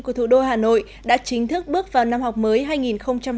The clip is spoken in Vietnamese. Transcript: của thủ đô hà nội đã chính thức bước vào năm học mới hai nghìn hai mươi hai nghìn hai mươi